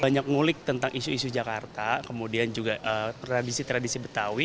banyak ngulik tentang isu isu jakarta kemudian juga tradisi tradisi betawi